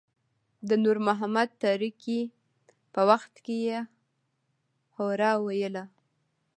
د نور محمد تره کي په وخت کې يې هورا ویله.